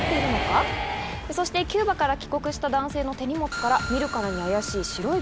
そしてキューバから帰国した男性の手荷物から見るからに怪しい。